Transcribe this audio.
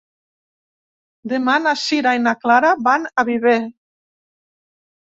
Demà na Sira i na Clara van a Viver.